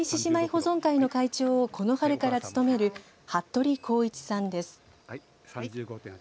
保存会の会長をこの春から務める服部公一さんです。